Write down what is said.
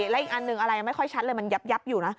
และอีกอันหนึ่งอะไรยังไม่ค่อยชัดเลยมันยับอยู่นะ